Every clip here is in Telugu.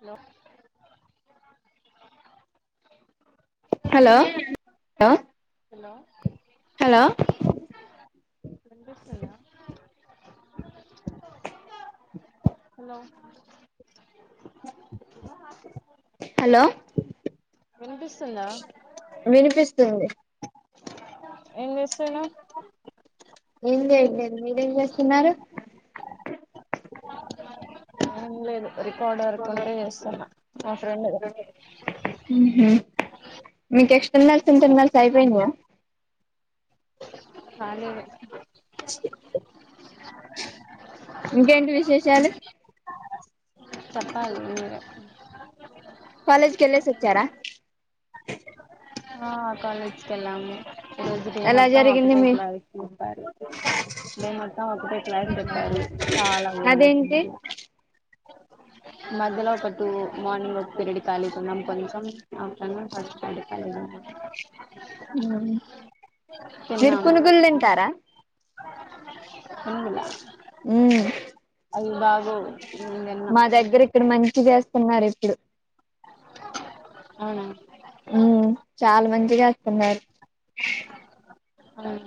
హలో హలో హలో హలో వినిపిస్తుందా. హలో హలో వినిపిస్తుందా వినిపిస్తుంది ఏం చేస్తున్నావ్ ఏం లేదు నేన్ మీరు ఏం చేస్తున్నారు ఏం లేదు రికార్డ్ వర్క్ ఉంటే చేస్తున్నా మా ఫ్రెండ్ మీకు ఎక్స్టర్నల్స్ ఇంటర్నల్స్ అయిపోయినాయా కాలేదు ఇంకేంటి విశేషాలు చెప్పాలి మీరే కాలేజ్ కెళ్ళేసి వచ్చారా ఆ కాలేజ్కి వెళ్ళాము రోజు డే ఎలా మొత్తం జరిగింది ఒకటే మీ క్లాస్ చెప్పారు డే మొత్తం ఒకటే క్లాస్ చెప్పారు చాలా అదేంటి [unintelligible] మధ్యలో ఒక టూ మార్నింగ్ ఒక పిరియడ్ ఖాళీగున్నాం కొంచెం ఆఫ్టర్నూన్ ఫస్ట్ పీరియడ్ ఖాళీగున్నం ఉమ్ మీరు తిన్నాము పునుగులు తింటారా పునుగుల మ్ బాగోవు నేను మా తిన్నా దగ్గర ఇక్కడ మంచి చేస్ స్తున్నారు ఇప్పుడు అవునా ఉమ్ చాలా మంచిగా చేస్తున్నారు అవును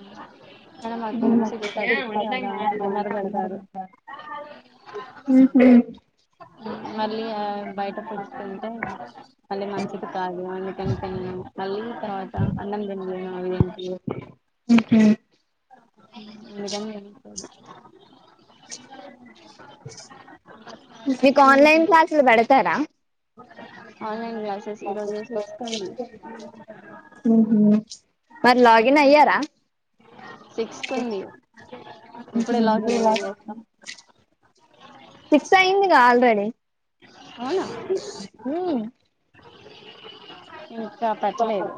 కానీ మాకు సిక్స్ థర్టీకి అలా డిన్నర్ పెడతారు ఉంహు మళ్ళీ ఆ బయట పుచ్చుకుంటే మళ్ళీ మంచిది కాదు అందుకనికని తిన్లేము మళ్ళీ తర్వాత అన్నం తిన్లేను అవితిం ఉమ్ హు ఉమ్ అందుకని మీకు ఆన్లైన్ క్లాసులు పెడతారా ఆన్లైన్ క్లాసెస్ ఈరోజు సిక్స్ కు ఉంది ఉంహు మరి లాగిన్ అయ్యారా సిక్స్కు ఉంది ఇప్పుడే లాగిన్ అయి ఏం చేస్తాం సిక్స్ అయిందిగా ఆల్రెడీ అవునా ఉమ్ ఉమ్ ఇంకా పట్టలేదు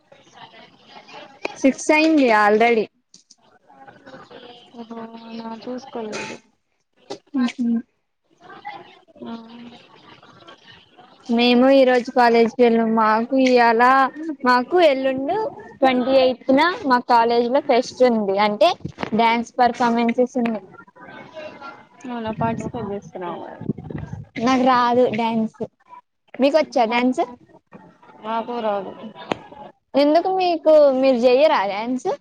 స [inaudible] సిక్స్ అయింది ఆల్రెడీ ఓహో అవునా చూసుకోలేదు ఉమ్ హు ఆ మేము ఈ రోజు కాలేజ్కి వెళ్ళాం మాకు ఇయ్యాలా మాకు ఎల్లుండి ట్వంటీ ఎయిట్త్ నా మా కాలేజ్ లో ఫెస్ట్ ఉంది. అంటే డ్యాన్స్ పర్ఫార్మెన్సెస్ ఉన్నాయి అవునా పార్టిసిపేట్ చేస్తున్నావా నాకు రాదు డ్యాన్సు మీకు వచ్చా మరి డాన్సు నాకు రాదు ఎందుకు మీకు మీరు చెయ్యరా డాన్సు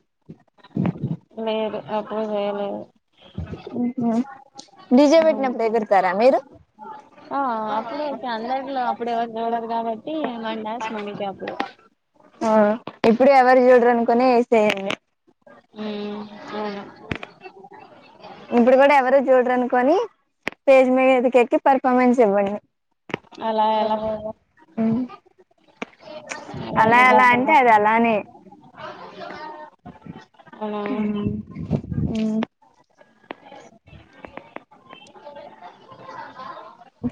లేదు అప్పుడు చేయలేదు ఉంహు డీజె పెట్టినప్పుడు ఎగురతారా మీరు ఆ అప్పుడు ఒకే అందరిలో అప్పుడు ఎవరుచూడరు కాబట్టి మన డాన్స్ మన కి అప్పుడు ఆ ఇప్పుడు ఎవరు చూడరునుకొని వేసేయండి అవునా ఇప్పుడు కూడా ఎవరు చూడరు అనుకోని స్టేజ్ మీదకి ఎక్కి పర్ఫార్మెన్స్ ఇవ్వండి. అలా ఎలా అవు అలా ఇవద్దు ఆ ఆ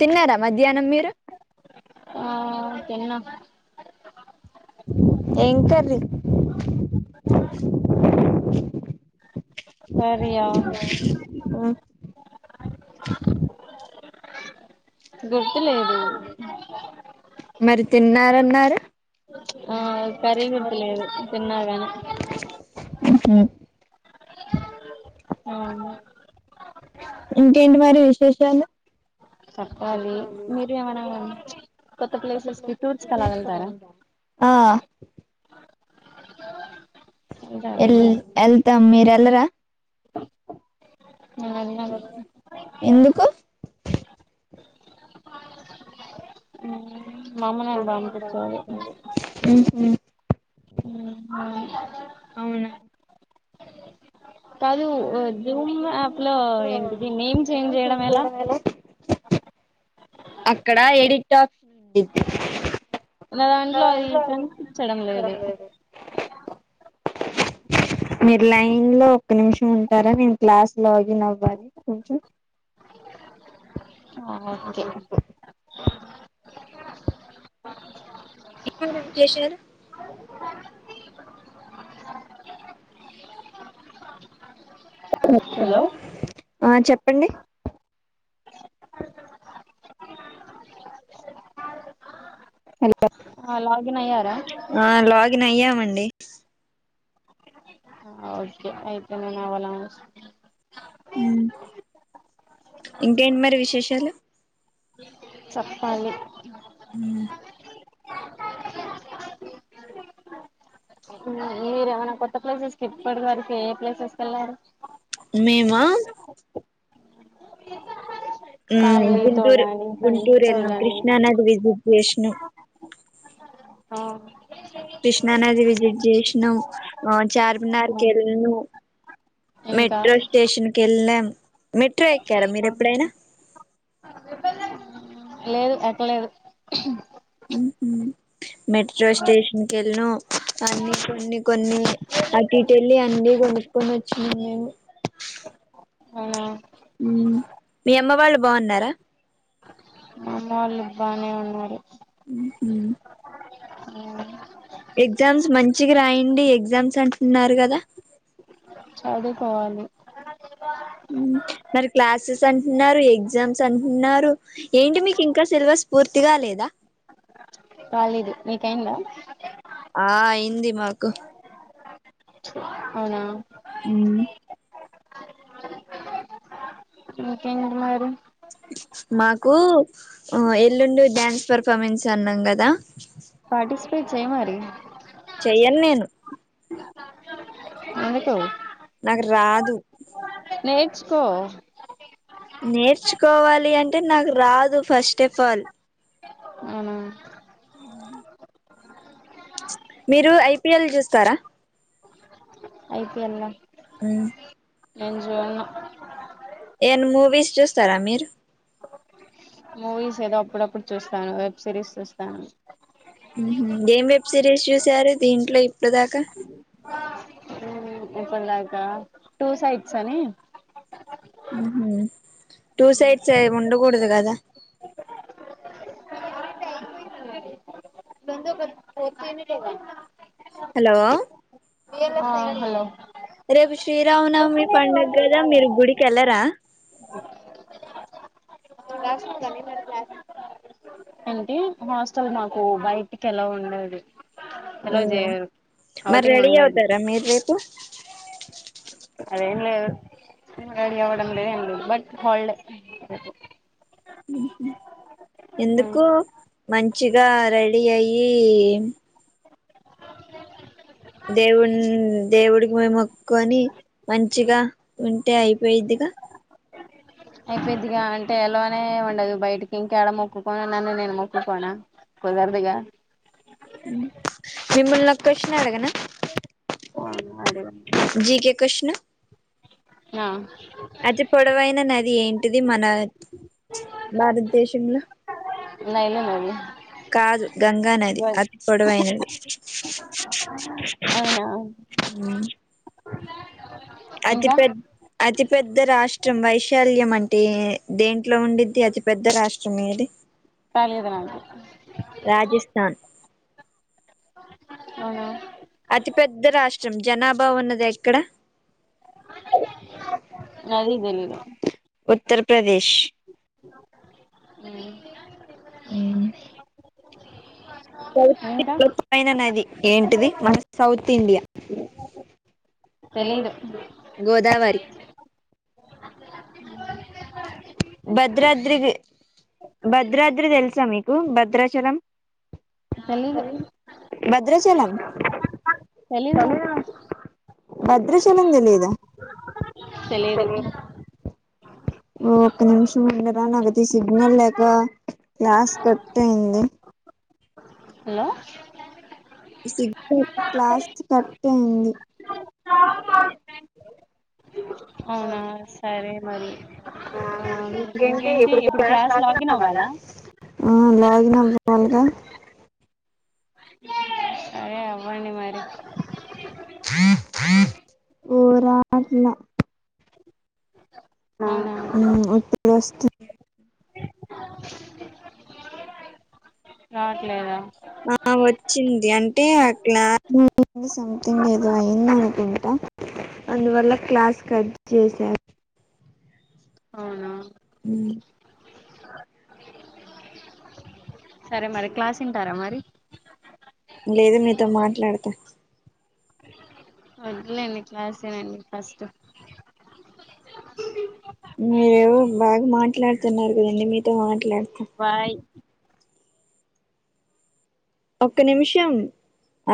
తిన్నారా మధ్యాహ్నం మీరు ఆ తిన్నా ఏం కర్రి కర్రీయా ఓ [inaudible] గుర్తులేదు మరి తిన్నారన్నారు ఆ కర్రీ గుర్తులేదు తిన్నగాని హ ఆ ఇంకేంటి మరి విశేషాలు చెప్పాలి మీరు ఏమైనా కొత్త ప్లేసెస్ కి టూర్స్ కళ్లాగళ్తారా ఆ ఎల్ ఎల్ మీరెలరా వెళ్తారా ఎందుకు మా అమ్మ నాకు పంపించారు అవునా కాదు జూమ్ యాప్ లో ఏంటిది నేమ్ చేంజ్ చేయడం ఎలా అక్కడ ఎడిట్ ఆప్షన్ ఉడింది ఉ దాంట్లో అది కనిపించడం లేదు మీరు లైన్ లో ఒక్క నిమిషం ఉంటారా నేను క్లాస్ లో ఆగన్ అవ్వాలి కొంచెం. ఓకే ఎ రాకేశర్ హలో ఆ చెప్పండి ఆ లాగిన్ అయ్యారా న అయ్యామండి ఓకే అయితే నేననవలా ఇంకేంటి మరి విశేషాలు చప్పాలి అ మీర ఏమైనా కొత్త ప్లేసెస్ ఇప్పటి వరకు ఏ ప్లేసెస్కి వెళ్లారు మేమా ఉ ఫ్యామిలీతో గుంటూరు గానీ ఫ్రెండ్స్ గుంటూర్ తో ఏళ్లనం గానీ కృష్ణానది విజిట్ విష్ణు ఆ కృష్ణా నది విజిట్ చేసిన చార్మినార్కి కేళ్ళను ఇంకా మెట్రో స్టేషన్ కె వెళ్ళాం మెట్రో ఎక్కారా మీర ఎప్పుడైనా లేదు ఎక్కలేదు ఉహామ్ మెట్రో స్టేషన్ క వెళ్లినం అన్ని కొన్ని కొన్ని అటుఇటు ఎల్లి అన్ని కొంచుకొని వచ్చినం మేము అవునా హ్మ్ మీ అమ్మ వాళ్ళు బాగున్నారా బాగానే ఉన్నారు ఉహ్మ్మ్ ఎగ్జామ్స్ మంచిగా రాయండి ఎగ్జామ్స్ అంటున్నారు కదా చదువుకోవాలి హ్మ్ మరి క్లాసెస్ అంటున్నారు ఎగ్జామ్స్ అంటున్నారు ఏంటి మీకు ఇంకా సిలబస్ పూర్తిగా లేదా కాలేదు మీకయిందా ఆ అయింది మాకు అవునా హ్మ్ ఇంకేంటి మరి మాకు ఆ ఎల్లుండి డ్యాన్స్ పర్ఫార్మెన్స్ అన్నం కదా పార్టిసిపేట్ చేయ్ మరి చేయన్ నేను ఎందుకు నాగ్ రాదు నేర్చుకో నేర్చుకోవాలి అంటే నాకు రాదు ఫస్టేఫ్ఆల్ అవునా ఉ మీరు ఐపీఎల్ చూస్తారా ఐపీఎల్లా ఉ నేన్ చూడ్ను ఏదన్నా మూవీస్ చూస్తారా మీరు మూవీస్ ఏదో అప్పుడప్పుడు చూస్తాను వెబ్ సిరీస్ చూస్తాను ఉహు ఏం వెబ్ సిరీస్ చూసారు దీంట్లో ఇప్పటిదాకా ఇప్పటిదాకా టూ సైడ్స్ అని ఉహు టూ సైడ్స్ ఏం ఉండకూడదు కదా ట్రినిటికి పంప్ హలో ఆ హలో రేపు శ్రీరామనవమి పండగ్ కదా మీరు గుడికెళ్లరా ఏంటి హాస్టల్ మాకు బయటికి ఏల్లఓ ఉండదు ఉ ఎలో చేయరు మరి ఔటింగ్ రెడీ ఉండదు అవుతారా మీరు రేపు అదేంలేదు తిని రెడీ అవడంలే ఏ బట్ హల్డే రేపు ఉహు మ్మ్ ఎందుకు మంచిగా రెడీ అయ్యి దేవున్ దేవుడికి మొక్కుకొని మంచిగా ఉంటే అయిపోయిద్దిగా అయిపోయిద్దిగా అంటే ఎలోనే ఉండదు బయటికి ఇంకాడ మొక్కుకోని నన్ను నేను మొక్కుకోన కుదరదుగా ఉ మీమ్ముల్ని ఓ కొషన్ అడగనా? అడగండి కొష్ను ఆ అతి పొడవైనా నద్ ది ఏంటిది మన భారతదేశంలో? నైలు నది కాదు గంగా నది అత్ పొడవైనది. ఇ [unintelligible] [inaudible] అవునా ఉ అతి ఇంకా పెద్ అతి పెద్ద రాష్ట్రం వైశాల్యం అంటే దేంట్లో ఉండిద్ది అతి పెద్ద రాష్ట్రం ఏది? తలిదు నాకు రాజస్థాన్ అవునా అతి పెద్ద రాష్ట్రం జనాభా ఉన్నది ఎక్కడ? అది తెలీదు ఉత్తర్ ప్రదేశ్ మ్మ్ ఉ సౌ ఇంకా సౌత్ ఎనా నది ఏంటిది మన సౌత్ ఇండియా? తెలీదు గోదావరి భద్రాద్రికి భద్రాద్రి తెలుసా మీకు భద్రాచలం? తెలిదు భద్రాచలం తెలీదు నాకు భద్రచలం తెలీదా? తెలీదు ఓ ఒక నిమిషం ఉండరా నాకైతే సిగ్నల్ లేక క్లాస్ కట్ అయింది. హలో సిగ్ క్లాస్ కట్ అయింది అవునా సరే మరి ఆ ఇంకేంటి ఇప్పుడు క్లాస్ లాగిన్ అవ్వాలా? ఆ లాగిన్ అవ్వాలిగా సరే అవ్వండి మరి పోరా అట్ల అవునా నా ఉ ఇప్పు చేస్తు రావట్లేదా? ఆ వచ్చింది అంటే ఆ క్లా స్ సంథింగ్ ఏదో అయ్యింది అనుకుంటా, అందువల్ల క్లాస్ కట్ చేసారు. అవునా ఉమ్ సరే మరి క్లాస్ ఇంటారా మరి? లేదు మీతో మాట్లాడత వద్దులెండి క్లాసినండి ఫస్టు మీరేవో బాగా మాట్లాడుతున్నారు కదండి మీతో మాట్లాడు బాయ్ ఒక్క నిమిషం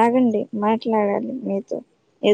ఆగండి మాట్లాడాలి మీతో